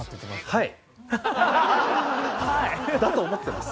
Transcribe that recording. はい。